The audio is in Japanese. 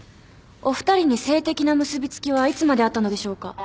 お二人に性的な結び付きはいつまであったのでしょうか？